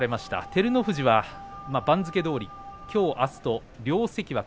照ノ富士は番付どおりきょう、あすと両関脇。